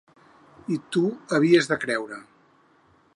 I t’ho havies de creure.